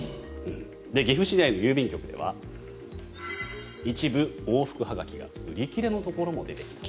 岐阜市内の郵便局では一部、往復はがきが売り切れのところも出てきた。